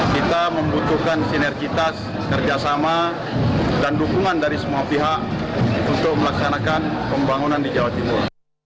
kita membutuhkan sinergitas kerjasama dan dukungan dari semua pihak untuk melaksanakan pembangunan di jawa timur